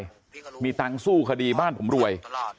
ยังมีตังค์สู้คดีบ้านผมรวย